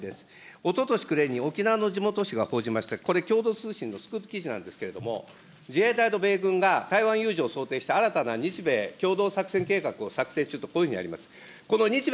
おととし暮れに沖縄の地元紙が報じました、これ、共同通信のスクープ記事なんですけれども、自衛隊と米軍が台湾有事を想定した新たな日米共同作戦計画を策定中と、こういうふうにあります。